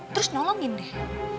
terus nolongin deh